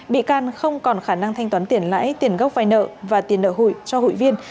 bị can không còn khả năng thanh toán tiền lãi tiền gốc vai nợ và tiền nợ hụi cho hụi viên